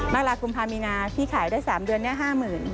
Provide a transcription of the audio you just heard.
มากรากุมพามีนาพี่ขายได้๓เดือนแน่ะ๕๐๐๐๐